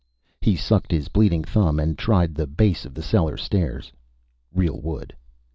He sucked his bleeding thumb and tried the base of the cellar stairs. Real wood.